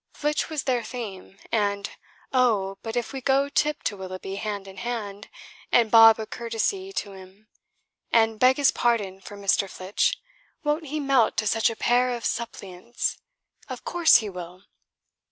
Flitch was their theme; and: "Oh, but if we go tip to Willoughby hand in hand; and bob a courtesy to 'm and beg his pardon for Mister Flitch, won't he melt to such a pair of suppliants? of course he will!"